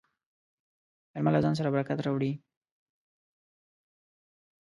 مېلمه له ځان سره برکت راوړي.